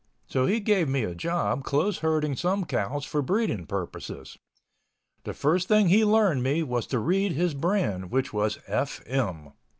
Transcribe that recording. So he gave me a job close herding some cows for breeding purposes. The first thing he learned me was to read his brand which was "F M."